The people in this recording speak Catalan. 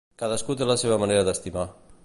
Cadascú té la seva manera d'estimar.